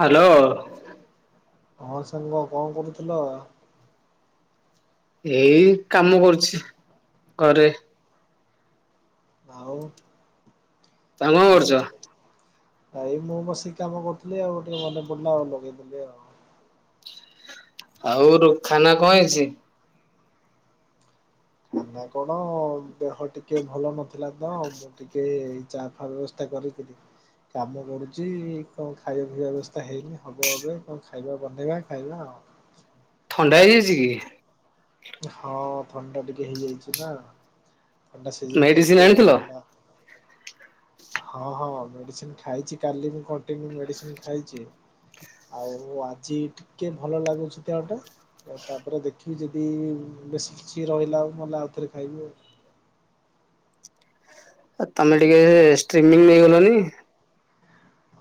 Hello. ହଁ ସାଙ୍ଗ କଣ କରୁଥିଲ? ଏଇ ଏଇ କାମ କରୁଛି ଘରେ। ଆଉ। ତମେ କଣ ଆଉ କରୁଛ? ସବୁ। ଭାଇ ମୁଁ ବସିକି କାମ କରୁଥିଲି ଆଉ ଟିକେ ମନେ ପଡିଲା ଆଉ ଲଗେଇଦେଲି ଆଉ। ଆଉ ରୁଖାନା କଣ ହେଇଛି? ଖାନା କଣ? ହଁ ଦେହ ଟିକେ ଭଲ ନଥିଲା ତ ମୁଁ ଟିକେ ଚା ଫା ବ୍ୟବସ୍ଥା କରିକିରି କାମ କରୁଛି କଣ ଖାଇବା ପିଇବା ବ୍ୟବସ୍ଥା ହେଇନି ହେବ ଏବେ କଣ ଖାଇବା ବନେଇବା ଖାଇବା ଆଉ। ଥଣ୍ଡା ହେଇଯାଇଛି କି? ହଁ ଥଣ୍ଡା ଟିକେ ହେଇଯାଇଛି ପା। ଥଣ୍ଡା ସିଯିନ ମେଡିସିନ ଚାଲିଚି ଆଉ ଆଣିଥିଲ? ଥଣ୍ଡା। ହଁ ହଁ ମେଡିସିନ ଖାଇଛି କାଲି ମୁଁ କଣ୍ଟିନ୍ୟୁ ମେଡିସିନ ଖାଇଛି। ଆଉ ଆଜି ଟିକେ ଭଲ ଲାଗୁଛି ଦେହ ଟା ଆ ତାପରେ ଦେଖିବି ଯେ ଇ ବେଶୀ କିଛି ରହିଲା ଆଉ ନହେଲେ ଆଉଥରେ ଖାଇବି ଆଉ। ଆଉ ତମେ ଟିକେ ଷ୍ଟ୍ରିମିଙ୍ଗ ନେଇଗଲନି।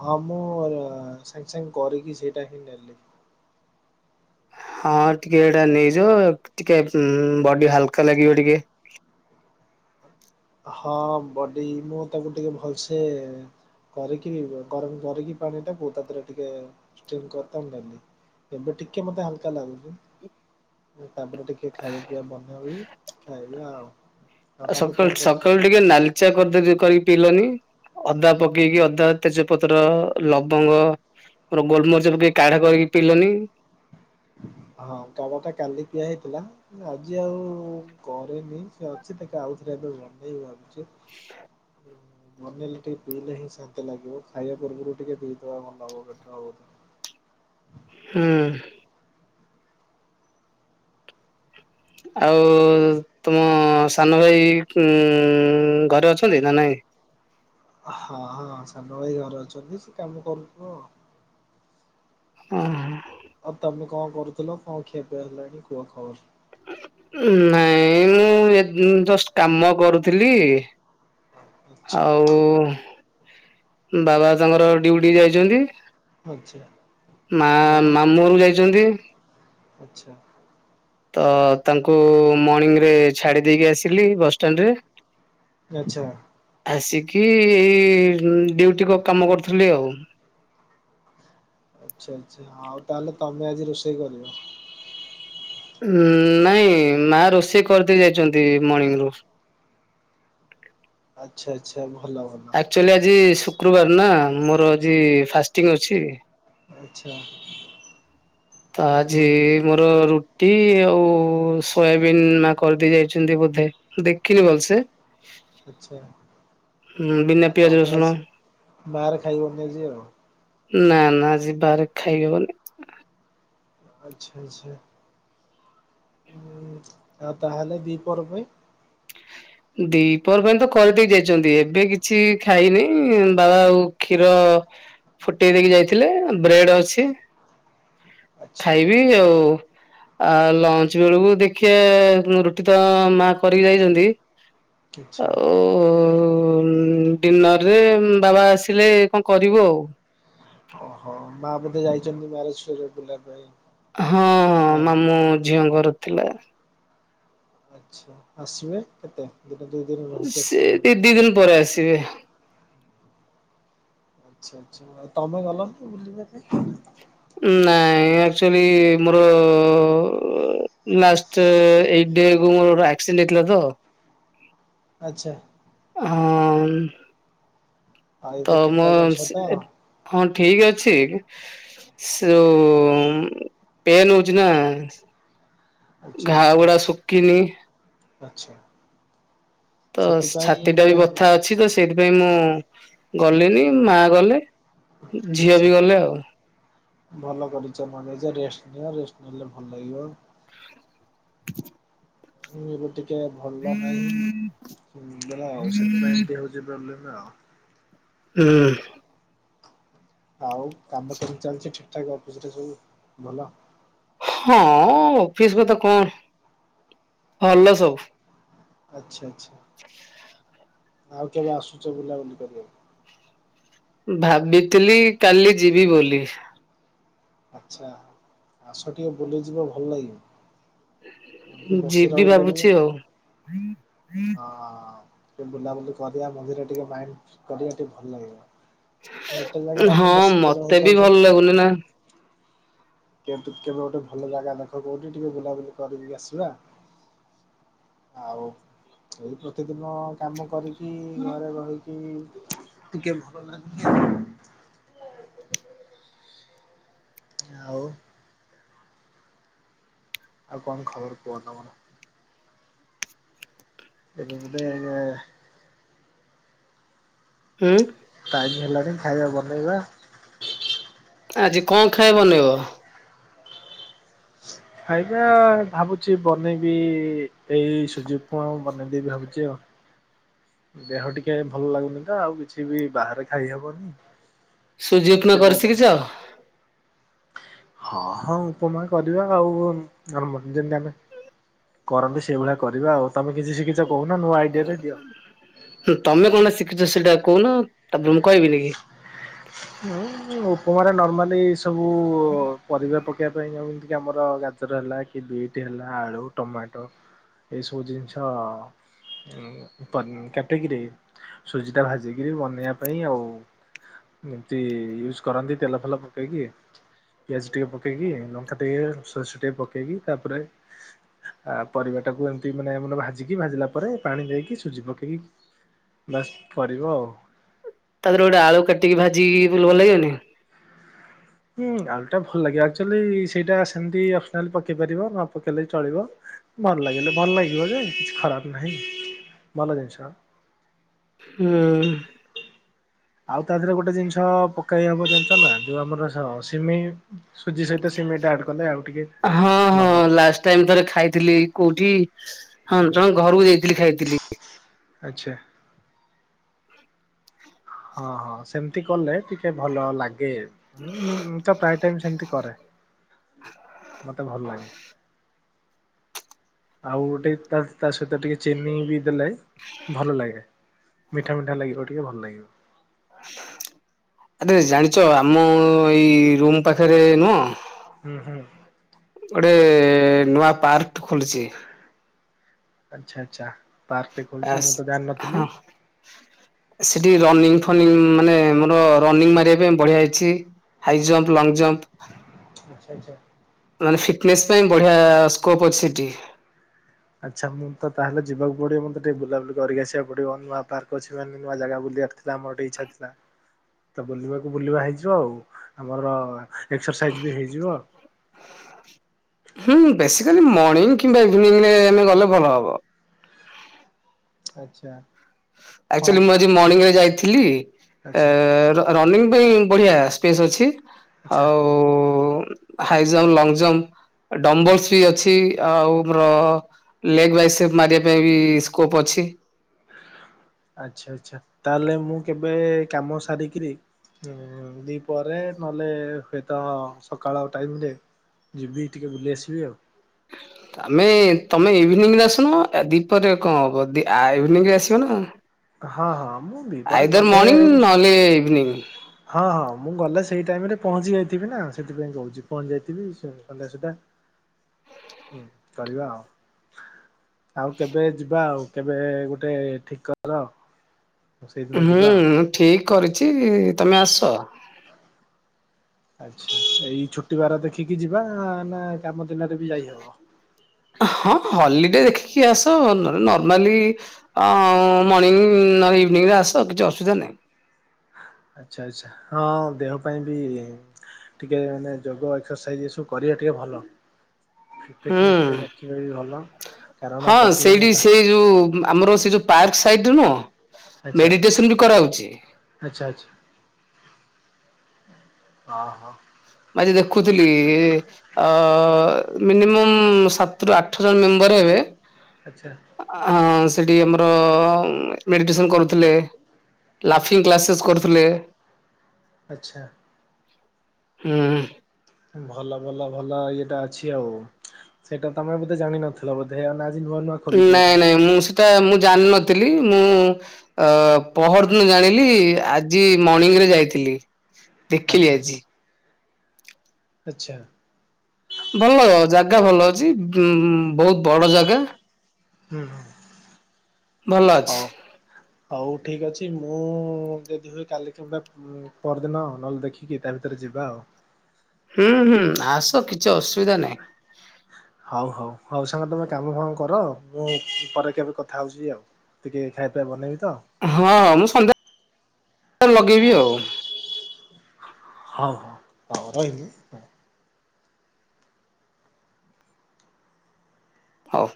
ହଁ ମୁଁ ସାଙ୍ଗେ ସାଙ୍ଗେ କରିକି ସେଇଟା ହିଁ ନେଲି। ହଁ ଟିକେ ଏଇଟା ନେଇଯ ଟିକେ ବଡ଼ି ହାଲକା ଲାଗିବ ଟିକେ। ହଁ ବଡି ମୁଁ ତାକୁ ଟିକେ ଭଲସେ କରିକି ଗରମ କରିକି ପାଣି ଟା ବଉ ତା ଦେହରେ ଟିକେ ଷ୍ଟିମ କରିଥାଉ ଗଲି। ଏବେ ଟିକେ ମୋତେ ହାଲକା ଲାଗୁଛିି। ତାପରେ ଟିକେ ଖାଇବା ପିଇବା ବନେଇ ହି ଖାଇବି ଆଉ ଆଉ ତମେ କଣ କରୁ କହିଲି ଟିକେ ନାଲିଚା କରିଦେଲୁ। ଇଏ କରିକି ପିଇଲନି ଅଦା ପକେଇକି ଅଦା ତେଜପତ୍ର ଲବଙ୍ଗ ମୋର ଗୋଲମରିଚକୁ ଟିକେ କଢା କରିକି ପଇିଲନି। ହଁ କାମ ଟା କାଲି ଦିଆ ହେଇଥିଲା। ଆଜି ଆଉ କରେନି ସେ ଅଛି ତାକୁେ ଆଉଥରେ ଏବେ ବନେଇବୁ ଆମ ହୁଁ ବନେଇେଲେ ଟିକେ ପିଇଲେ ହିଁ ଶାନ୍ତି ଲାଗିବ, ଖାଇବା ପୂର୍ବରୁ ଟିକେ ପିଇଥବା ମନବ ପେଟ ବହୁତ ହଁ। ଆଉ ତମ ସାନ ଭାଇ ଘରେ ଅଛନ୍ତି ନା ନାଇଁ? ହଁ ହଁ ସାନ ଭାଇ ଘରେ ଅଛନ୍ତି, ସେ କାମ କରୁଥିବ ଆଉ। ହଁ। ଆଉ ତମେ କଣ କରୁଥିଲ କଣ ଖିଆ ପିଆ ହେଲାଣି କୁହ? ଖବର ନାଇଁ ମୁଁ ଜଷ୍ଟ କାମ କରୁଥିଲି। ଆଚ୍ଛା ଆଉ ବାବା ତାଙ୍କର ଡିଉଟି ଯାଇଛନ୍ତି। ଆଚ୍ଛା। ମା ମାମୁ ଘରକୁ ଯାଇଛନ୍ତି। ଆଚ୍ଛା ତ ତାଙ୍କୁ ମର୍ଣ୍ଣିଂରେ ଛାଡ଼ି ଦେଇକି ଆସିଲି ବସ୍ ଷ୍ଟାଣ୍ଡ ରେ। ଆଚ୍ଛା। ଆସିକି ଏଇ ଡଉଟି କାମ କରୁଥିଲି ଆଉ। ଆଚ୍ଛା ଆଚ୍ଛା ଆଉ ତାହେଲେ ତମେ ଆଜି ରୋଷେଇ କରିବ? ନାଇଁ ମା ରୋଷେଇ କରିଦେଇ ଯାଇଚନ୍ତି ମର୍ଣ୍ଣିଂ ରୁ। ଆଚ୍ଛା ଆଚ୍ଛା ଭଲ ଭଲ। ଆକ୍ଚୁଆଲି ଆଜି ଶୁକ୍ରବାର ନା ମୋର ଆଜି ଫାଷ୍ଟିଙ୍ଗ ଅଛି। ଆଚ୍ଛା। ତା ଆଜି। ହୁଁ ମୋର ରୁଟି ଆଉ ସୋୟାବିନ୍ ମା କରିଦେଇ ଯାଇଛନ୍ତି ବୋଧେ। ଦେଖିନି ଭଲ ସେ। ଆଛା ବିନା ଆ ପିଆଜ ତ ରସୁଣ ଆସ ବାହାର ଖାଇବନି ଆଜି। ନା ନା ଆଜି ବାହାରେ ଖାଇହବନି। ଆଚ୍ଛା ଆଚ୍ଛା ଆ ତାହେଲେ ଦ୍ୱିପହର ପାଇଁ। ଦିପହର ପାଇଁ ତ କରିଦେଇ ଯାଇଛନ୍ତି, ଏବେ କିଛି ଖାଇନି ବାବା ଆଉ କ୍ଷୀର ଫୁଟେଇ ଦେଇକି ଯାଇଥିଲେ, ବ୍ରେଡ ଅଛି ଆଚ୍ଛା ଖାଇବି ଆଉ। ଆଉ ଲଞ୍ଚ ବେଳକୁ ଦେଖିଆ ରୁଟି ତ ମା କରିକି ଯାଇଚନ୍ତି। ଆଚ୍ଛା। ଆଉ। ଉ ଡିନରରେ ବାବା ଆସିଲେ କଣ କରିବୁ ଆଉ। ଓହୋ ମା ବୋଧେ ଯାଇଚନ୍ତି ମ୍ୟାରେଜ ଫରେ ବୁଲିବା ପାଇଁ। ହଁ ବାହାରେ। ମାମୁଁ ଝିଅଙ୍କର ଥିଲା। ଆଚ୍ଛା ଆସିବେ କେତେ ଦିନେ ଦୁଇ ଦିନି ରହିକି ସେ ଆସିବେ ବୋଧେ। ଦି ଦି ଦିନ ପରେ ଆସିବେ। ଆଚ୍ଛା ଆଚ୍ଛା ତମେ ଗଲନି ବୁଲିବା ପାଇଁ। ନାଇଁ ଆକ୍ଚୁଆଲି ମୋର ଲାଷ୍ଟ ଏଇ ଡେ କୁ ମୋର ଆକ୍ସିଡେଣ୍ଟ ହେଇଥିଲା ତ? ଆଚ୍ଛା। ହଁ ଆଉ ଏବେ ତ ଠିକ ମୁଁ ଠାକ ଅଛ ତ? ସେ ହଁ ଠିକ ଅଛି। ସେ ପେନ୍ ହଉଛି ନା। ଆଛା ଘା ଆଛା ଗୁଡା ଶୁଖିନି ଆଛା। ତ ଛାତି ଟା ବି ବଥା ଅଛି ତ ସେ ଇଥିପାଇଁ ମୁଁ ଗଲିନି, ମା ଗଲେ ଝିଅ ଆଚ୍ଛା। ବି ଗଲେ ଆଉ। ଭଲ କରିଚ ନ ଯାଇଚ, ରେଷ୍ଟ ନିଅ ରେଷ୍ଟ ନେଲେ ଭଲ ଲାଗିବ। ହୁଁ ଏବେ ଟିକେ ଭଲ ନାହିଁ। [unintelligible] ସେଥିପାଇଁ ଏମିତି ହଉଚି ପ୍ରୋବ୍ଲେମ ନା। ହୁଁ। ଆଉ କାମ କେମିତି ଚାଲିଚି ଠିକ୍ ଠାକି ଅଫିସ୍ ରେ ସବୁ ଭଲ? ହଁ ଅଫିସ କଥା କଣ ଭଲ ସବୁ। ଆଚ୍ଛା ଆଚ୍ଛା। ଆଉ କେବେ ଆସୁଚ ବୁଲାବୁଲି କରିବାକୁ? ଭାବିଥିଲି କାଲି ଯିବି ବୋଲି। ଆଚ୍ଛା। ଆସ ଟିକେ ବୁଲିଯିବ ଭଲ ଲାଗିବ। ଏମିତି ବସି ଯିବି ରହିଲେ ବି ହଁ ଭାବୁଚି ଆଉ। ଟିକେ ବୁଲାବୁଲି କରିବା ମଝିରେ ଟିକେ ମାଇଣ୍ଡ କରିବା ଟିକେ ଭଲ ଲାଗିବ। ଗୋଟେ ଜାଗାରେ ଆମେ ହଁ ବସିକି ମତେ ରହି ଯାଉଚନ୍ତି। [unintelligible] [unintelligible] କେବେ ମୁଁ ଗୋଟେ ଭଲ ଜାଗା ଦେଖ କୋଉଠି ଟିକେ ବୁଲାବୁଲି କରିକି ଆସିବା। ଆଉ ଏଇ ପ୍ରତିଦିନ କାମ କରିକି ଘରେ ରହିକି ଟିକେ ଭଲ ଲାଗି [unintelligible] ଆଉ ଆଉ କଣ ଖବର କୁହ ତମର? ଏବେ ଗୁଟେ ଉଁ ଟାଇମ୍ ହେଲାଣିି ଖାଇବା ବନେଇବା। ଆଜି କଣ ଖାଇ ବନେଇବ? ଖାଇବା ଭାବୁଚି ବନେଇବି ଏଇ ସୁଜି ଉପମା ବନେଇଦେବି ଭାବୁଚି ଆଉ। ଦେହ ଟିକେ ଭଲ ଲାଗୁନି ତ ଆଉ କିଛି ବି ବାହାରେ ଖାଇହବନି। ସୁଜି ଉପମା ନିଜେ ଯାହା କରି ବନା ସିକିିଚ? ହଁ ହଁ ଉପମା କରିବା ଆଉ, ନର୍ମାଲ ଯେମିତି ଆମେ କରନ୍ତି ସେଇଭଳିଆ କରିବା ଆଉ। ତମେ କିଛି ଶିଖିଚ କହୁନ ନୂଆ ଆଇଡିଆ ଟେ ଦିଅ। ତମେ କଣ ଟା ଶିଖିଚ ସେଇଟା କହୁନ ତାପରେ ମୁଁ କହିବିନି କି। ମୁଁ ଉପମାରେ ନର୍ମାଲି ସବୁ ପରିବା ପ କେଇବା ପାଇଁ ଏମିତି କି ଆମର ଗାଜର ହେଲା କି ବିଟ ହେଲା ଆଳୁ ଟମାଟୋ ଏ ସବୁ ଜିନିଷ ପ କାଟିକିରି ସୁଜି ଟା ଭାଜିକିରି ବନେଇବା ପାଇଁ ଆଉ ଏମତି ୟୁଜ୍ କରନ୍ତି ତେଲ ଫେଲ ପକେଇକି। ପିଆଜ ଟିକେ ପକେଇକି, ଲଙ୍କା ଟିକେ ସୋରିଷ ଟିକେ ପକେଇକି ତାପରେ ଆ ପରିବା ଟାକୁ ଏମିତି ମାନେ ମାନେ ଭାଜିକି ଭାଜିଲା ପରେ ପାଣି ଦେଇକି ସୁଜି ପକେଇକି ବାସ୍ କରିବ ଆଉ। ତାଦେହରେ ଗୋଟେ ଆଳୁ କାଟିକି ଭାଜିକି ପକେଇଲେ ଭଲ ଲାଗିବନି? ହୁଁ ଆଳୁଟା ଭଲ ଲାଗିବ। ଆକ୍ଚୁଆଲି ସେଇଟା ସେମିତି ଅପସନାଲି ପକେଇ ପାରିବ ନ ପକେଇଲେ ବି ଚଳିବ। ଭଲ ଲାଗିଲେ ଭଲ ଲାଗିବ ଯେ, କିଛି ଖରାପ ନାହିଁ ଭଲ ଜିନିଷ। ହୁଁ। ଆଉ ତା ଦେହରେ ଗୋଟେ ଜିନିଷ ପକେଇ ହବ ଜାଣିଚ ନା ଯୋଉ ଆମର ସ ସିମେଇ ସୁଜି ସହିତ ସିମେଇ ଟା ଆଡ୍ କଲେ ଆଉ ଟିକେ ଭଲ। ଫାଷ୍ଟ ଟାଇମ୍ ଥରେ ଖାଇଥିଲି କୋଉଠି ହଁ ଜଣକ ଘରକୁ ଯାଇଥିଲି ଖାଇଥିଲି। ଆଚ୍ଛା। [inaudible] ହଁ ହଁ ସେମିତି କଲେ ଟିକେ ଭଲ ଲାଗେ। ହଁଁ ମୁଁ ମୁଁ ତ ପ୍ରାୟ ଟାଇମ ସେମିତି କରେ। ମୋତେ ଭଲ ଲାଗେ। ଆଉ ଗୋଟେ ତା ତା ସହିତ ଟିକେ ଚିନି ବି ଦେଲେ ଭଲ ଲାଗେ। ମିଠା ମିଠା ଲାଗିବ ଟିକେ ଭଲ ଲାଗିବ। ଆରେ ଜାଣିଚ ଆମ ଏଇ ରୁମ୍ ପାଖରେ ନୁହଁ ହୁଁ ହୁଁ। ଗୋଟେ ନୂଆ ପାର୍କ ଟ ଖୋଲିଚି। ଆଚଛା ଆଚଛା ପାର୍କ ଟ ଖୋଲିଚି ଆସ୍ ମୁଁ ତ ଜାଣିନଥିଲି। ସିଠି ରନିଂ ଫନିଙ୍ଗ ମାନେ ମୋର ରନିଂ ମାରିବା ରେ ବଢିଆ ହେଇଚି। ହାଇ ଜମ୍ପ ଲଙ୍ଗ ଜମ୍ପ ଆଚଛା ଆଚ୍ଛା। ମାନେ ଫିଟନେସ୍ ପାଇଁ ବଢିଆ ସ୍କୋପ୍ ଅଛି ସେଠି। ଆଚ୍ଛା ମୁଁ ତ ତାହେଲେ ଯିବାକୁ ପଡିବ। ମତେ ଟିକେ ବୁଲାବୁଲି କରିକି ଆସିବାକୁ ପଡିବ। ନୂଆ ପାର୍କ ଅଛିିମାନେ ନୂଆ ଜାଗା ବୁଲିବା ଯାହା ମୋର ଟିକେ ଇଚ୍ଛା ଥିଲା। ତ ବୁଲିବାକୁ ବୁଲିବା ହେଇଯିବ ଆଉ। ଆମର ଅ ଏକ୍ସରସାଇଜ୍ ବି ହେଇଯିବ। ହୁଁ ବେସିକାଲି ମର୍ଣ୍ଣିଂ କିମ୍ବା ଇଭିନିଂ ରେ ଆମେ ଗଲେ ଭଲ ହବ। ଆଚ୍ଛା। ଏକଚୁଆଲି ମୁଁ ହଁ। ଆଜି ମର୍ଣିଂରେ ଯାଇଥିଲି। ଏ ଆଚ୍ଛା ର ରନିଙ୍ଗ ପାଇଁ ବଢିଆ ସ୍ପେସ୍ ଅଛି ଆଚ୍ଛା ଆଉ ଉ ହାଇ ଜମ୍ପ, ଲଙ୍ଗ ଜମ୍ପ, ଆଚ୍ଛା ଡମ୍ବଲସ ବି ଅ ଛି ଆଉ ଆମର ଲେଗ ବାଇସେପ ମାରିବା ପାଇଁ ବି ସ୍କୋପ ଅଛି। ଆଚ୍ଛା ଆଚ୍ଛା ତାହେଲେ ମୁଁ କେବେ କାମ ସାରିକିରି ଉଁ ଦି ପହରରେ ନହେଲେ ହୁଏତ ସକାଳ ଟାଇମ ରେ ଯିବି ଟିକେ ବୁଲି ଆସିବି ଆଉ। ଆମେ ତମେ ଇଭିନିଂ ରେ ଆସୁନ। ଆ ଦିପରେ କଣ ହବ? ଦି ଆ ଇଭିନିଂ ରେ ଆସିବ ନା। ହଁ ହଁ ମୁଁ ଦିପରରେ ଆଇଦର ଗଲେ ମର୍ଣ୍ଣିଂ ନହେଲେ ଇଭିନିଂ। ହଁ ହଁ ମୁଁ ଗଲେ ସେଇ ଟାଇମ ରେ ପହଞ୍ଚି ଯାଇଥିବି ନା, ସେଥିପାଇଁ କହୁଚି ପହଞ୍ଚି ଯାଇଥିବି ସନ୍ଧ୍ୟା ସୁଦ୍ଧା ହଁ କରିବା ଆଉ। ଆଉ କେବେ ଯିବା ଆଉ। କେବେ ଗୋଟେ ଠିକ କର। ସେଇଦିନ ହୁଁ ଯିବା ଆଉ। ଠିକ କରିଚି ତମେ ଆସ। ଆଚ୍ଛା ଏଇ ଛୁଟି ବାର ଦେଖିକି ଯିବା ନା କାମ ଦିନରେ ବି ଯାଇହବ? ହଁ ହଲିଡେ ଦେଖିକି ଆସ। ନଲେ ନର୍ମାଲି ଆ ଉ ମର୍ଣିଂ ନହେ ଇଭିନିଂ ରେ ଆସ କିଛି ଅସୁବିଧା ନାହିଁ। ଆଚ୍ଛା ଆଛା ହଁ ଦେହ ପାଇଁ ବି ଟିକେ ମାନେ ଯୋଗ ଏକ୍ସରସାଇଜ ଏ ସବୁ କରିବା ଟିକେ ଭଲ। ଟିକେ ହୁଁ ଫିଟନେସ ରଖିବା ବି ଭଲ। କାରଣ ପ୍ରତିଦିନ ଏ ଯୋଉ ଆମର ସେ ଯୋଉ ପାର୍କ ସାଇଡରେ ନୁହ ମେଡିଟେସନ ବି କରାହଉଚି। ଆଛା ଆଛା ଓହୋ। ମୁଁ ଆଜି ଦେଖୁଥିଲି ଏ ଆ ମିନିମମ୍ ସାତରୁ ଆଠ ଜଣ ମେମ୍ବର ହେବେ ଆଚ୍ଛା। ଆ ସେଠି ଆମର ମେଡିଟେସନ କରୁଥିଲେ। ଲାଫିଙ୍ଗ କ୍ଲାସେସ୍ କରୁଥିଲେ। ଆଚ୍ଛା। ହୁଁ ଭଲ ଭଲ ଭଲ ଇଏଟା ଅଛି ଆଉ ସେଇଟା ତମେ ବଧେ ଜାଣିନଥିଲ ବୋଧେ ଆ ନଆ ନୂଆ ଖୋଲିଛି ବୋଧେ ନାଇଁ ନାଇଁ ମୁଁ ସେଟା ମୁଁ ଜାଣିନଥିଲି ମୁଁ ଅ ପହରଦନୁ ଜାଣିଲି ଆଜି ମର୍ଣିଂ ରେ ଯାଇଥିଲି ଦେଖିଲି ଆଜି ଆଛା ଭଲ ଜାଗା ଭଲ ଅଛି ଉ ବହୁତ ବଡ ଜାଗା ହୁଁ ଭଲ ଅଛି। ହଉ ହଉ ଠିକ ଅଛି ମୁଁ ଯଦି ହୁଏ କାଲି କିମ୍ବା ପରଦିନ ନହେଲେ ଦେଖିକି ତା ଭିତରେ ଯିବା ଆଉ ହୁଁ ହୁଁ ଆସ କିଛି ଅସୁବିଧା ନାହିଁ। ହଉ ହଉ ହଉ ସାଙ୍ଗ ତମେ କାମ ଫାମ କର ମୁଁ ପରେ କେବେ କଥା ହଉଛି ଆଉ। ଟିକେ ଖାଇ ପିବା ବନେଇବି ତ। ହଁ ମୁଁ ସନ୍ଧ୍ୟା ଲଗେଇବି ଆଉ ହଉ ହଉ ରହିଲି ହଁ ହଉ